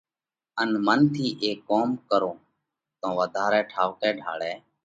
ان منَ ٿِي اي ڪوم ڪرون تو وڌارئہ ٺائُوڪئہ ڍاۯئہ